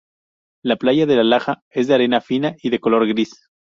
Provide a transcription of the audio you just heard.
La playa de la Laja es de arena fina y de color gris.